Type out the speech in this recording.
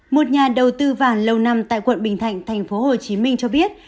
một nhà đầu tư vàng lâu năm tại quận bình thạnh tp hcm cho biết